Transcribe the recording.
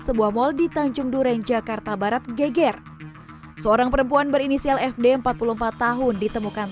sebuah mal di tanjung duren jakarta barat geger seorang perempuan berinisial fd empat puluh empat tahun ditemukan